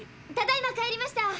ただいま帰りました。